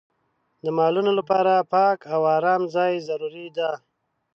د مالونو لپاره پاک او ارامه ځای ضروري دی.